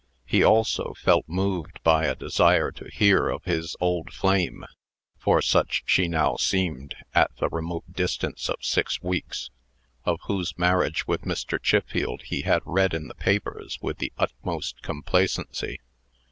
He also felt moved by a desire to hear of his old flame for such she now seemed at the remote distance of six weeks, of whose marriage with Mr. Chiffield he had read in the papers with the utmost complacency.